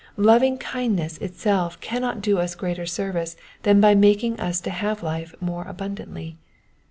Lovingkindness itself cannot do us greater service than by making us to have life more abundantly.